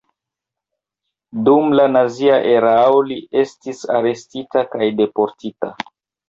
Dum la nazia erao li estis arestita kaj deportita.